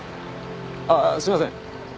ああすいません